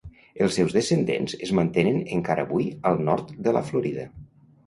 Els seus descendents es mantenen encara avui al nord de la Florida.